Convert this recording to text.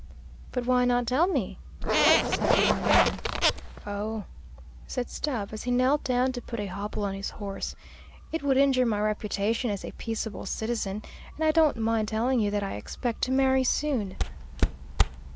"But why not tell me?" said the young man. "Oh," said Stubb, as he knelt down to put a hobble on his horse, "it would injure my reputation as a peaceable citizen, and I don't mind telling you that I expect to marry soon."